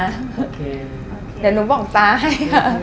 เดี๋ยวหนูบอกตาให้